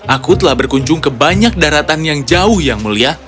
aku telah berkunjung ke banyak daratan yang jauh yang mulia